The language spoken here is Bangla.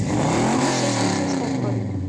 তিনি শেষনিঃশ্বাস ত্যাগ করেন।